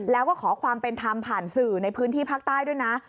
แล้วก็ขอความเป็นธรรมผ่านสื่อในพื้นที่ภาคใต้ด้วยนะ